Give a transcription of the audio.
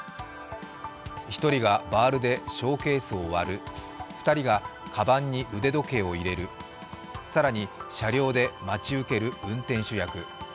１人がバールでショーケースを割る２人がかばんに腕時計を入れる、更に車両で待ち受ける運転手役。